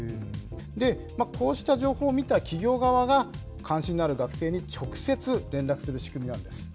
こうした情報を見た企業側が、関心のある学生に直接連絡する仕組みなんです。